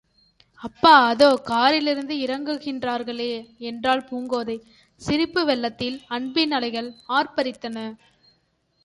அதோ அப்பா காரிலிருந்து இறங்குறாங்களே! என்றாள் பூங்கோதை, சிரிப்பு வெள்ளத்தில் அன்பின் அலைகள் ஆர்ப்பரித்தன.